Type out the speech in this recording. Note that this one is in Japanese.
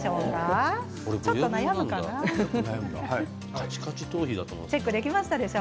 カチカチ頭皮だと思っていた。